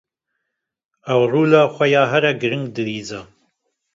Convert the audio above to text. Ew rola xwe, ya herî girîng dilîze.